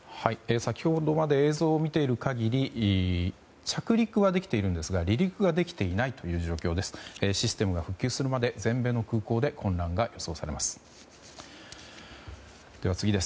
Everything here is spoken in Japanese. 先ほどまで映像を見ている限り着陸はできているんですが離陸ができていないという状況です。